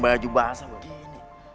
pakai baju basah begini